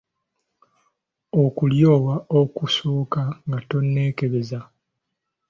Okulyowa okusooka nga tonneekebeza.